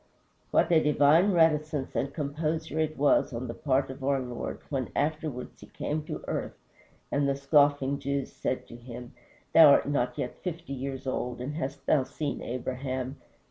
What a divine reticence and composure it was, on the part of our Lord, when afterwards he came to earth and the scoffing Jews said to him, "Thou art not yet fifty years old, and hast thou seen Abraham?"